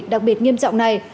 đặc biệt nghiêm trọng này